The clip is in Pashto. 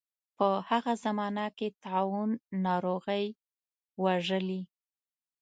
په هغه زمانه کې طاعون ناروغۍ وژلي.